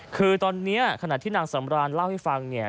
คือตอนนี้ขณะที่นางสำรานเล่าให้ฟังเนี่ย